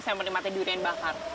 saya menikmatinya durian bakar